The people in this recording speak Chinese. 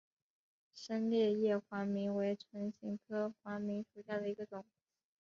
深裂叶黄芩为唇形科黄芩属下的一个种。